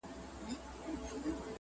زموږ کورونه زموږ ښارونه پکښي ړنګ سي٫